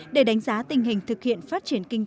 để đánh giá tình hình thực hiện phát triển kinh tế